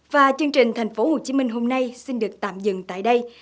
và chương trình thành phố hồ chí minh hôm nay xin được tạm dừng tại đây